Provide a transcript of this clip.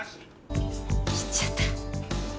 ・切っちゃった。